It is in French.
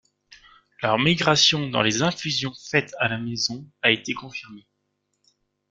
Leur migration dans des infusions faites à la maison a été confirmée.